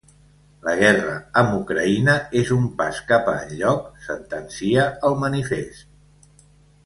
La guerra amb Ucraïna és un pas cap a enlloc, sentencia el manifest.